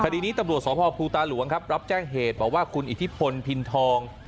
คดีนี้ตำรวจสพภูตาหลวงครับรับแจ้งเหตุบอกว่าคุณอิทธิพลพินทอง